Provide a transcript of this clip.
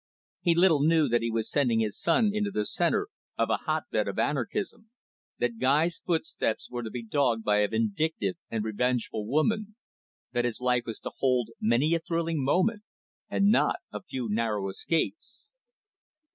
He little knew that he was sending his son into the centre of a hotbed of anarchism, that Guy's footsteps were to be dogged by a vindictive and revengeful woman, that his life was to hold many a thrilling moment and not a few narrow escapes.